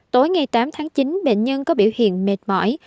tối ngày tám tháng chín bệnh nhân có biểu hiện mệt mỏi